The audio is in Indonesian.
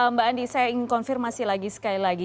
mbak andi saya ingin konfirmasi lagi sekali lagi